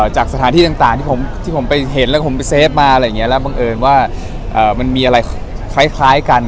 จากสถานที่ต่างที่ผมไปเห็นแล้วผมไปเฟฟมาอะไรอย่างนี้แล้วบังเอิญว่ามันมีอะไรคล้ายกัน